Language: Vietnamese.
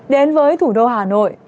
đến với thủ đô hà nội